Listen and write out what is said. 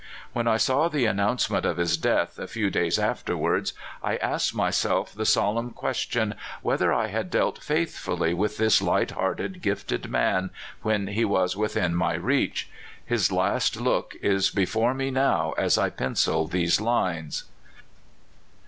When I saw the an nouncement of his death, a few days afterwards, I asked myself the solemn question whether I had dealt faithfully with this light hearted, gifted man when he was within my reach. His last look is before me now, as I pencil these lines.